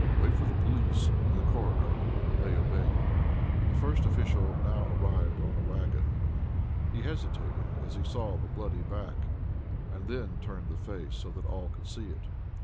Wait for the police and the coroner." They obeyed. The first official now arrived on a wagon. He hesitated as he saw the bloody back; and then turned the face so that all could see it.